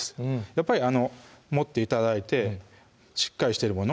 やっぱり持って頂いてしっかりしてるもの